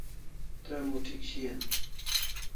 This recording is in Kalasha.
Tre muth'ik shian